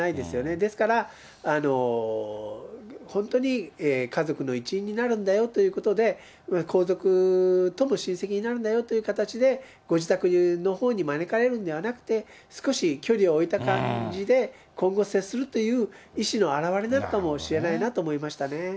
ですから、本当に家族の一員になるんだよということで、皇族とも親戚になるんだよという形で、ご自宅のほうに招かれるんではなくて、少し距離を置いた感じで、今後接するという、意思の表れなのかもしれないなと思いましたね。